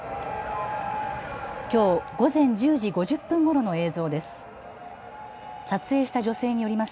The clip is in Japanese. きょう午前１０時５０分ごろの映像です。